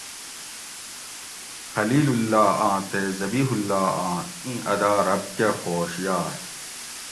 خلیل اللّٰہ آں تے ذبیح اللّٰہ آں اِیں ادا رب کہ خوش یائ